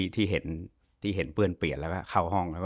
ที่เห็นเปื้อนเปลี่ยนแล้วก็เข้าห้อง